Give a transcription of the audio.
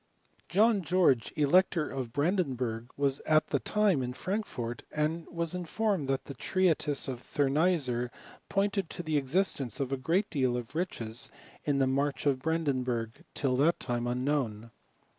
John Geoige, Elector of Brandenburg, wa^ at that time in Frankfort, and was informed that that treatise of Thurneysser pointed out the existence of ^L great deal of riches in the March of Brandenburg, .tiiB that time unknown.